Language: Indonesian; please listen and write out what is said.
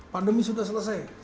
pandemi sudah selesai